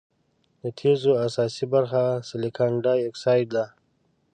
د تیږو اساسي برخه سلیکان ډای اکسايډ ده.